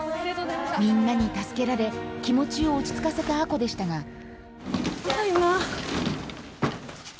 みんなに助けられ気持ちを落ち着かせた亜子でしたがただいま。